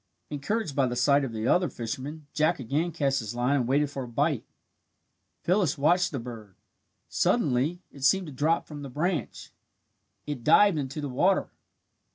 Encouraged by the sight of the other fisherman, Jack again cast his line and waited for a bite. Phyllis watched the bird. Suddenly it seemed to drop from the branch. It dived into the water.